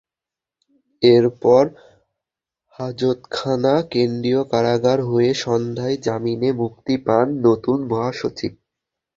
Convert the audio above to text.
এরপর হাজতখানা, কেন্দ্রীয় কারাগার হয়ে সন্ধ্যায় জামিনে মুক্তি পান নতুন মহাসচিব।